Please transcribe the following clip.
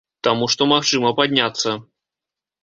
Таму што магчыма падняцца.